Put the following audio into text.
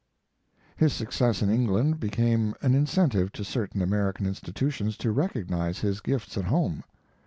His success in England became an incentive to certain American institutions to recognize his gifts at home.